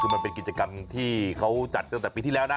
คือมันเป็นกิจกรรมที่เขาจัดตั้งแต่ปีที่แล้วนะ